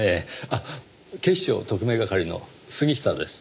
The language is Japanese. あっ警視庁特命係の杉下です。